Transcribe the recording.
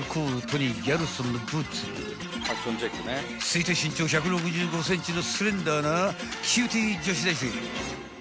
［推定身長１６５ｃｍのスレンダーなキューティー女子大生］